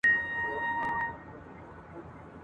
د خپلي مېني له چنارونو ..